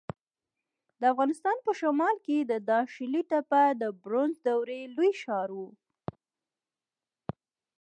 د افغانستان په شمال کې د داشلي تپه د برونزو دورې لوی ښار و